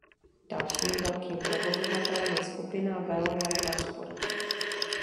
Dalším velkým provozovatelem je skupina Veolia Transport.